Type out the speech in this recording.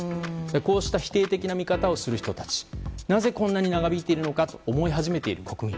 こうした否定的な見方をする人たちなぜこんなに長引いているのかと思い始めている国民